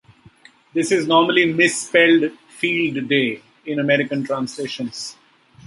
This is normally misspelled "Field Day" in American translations.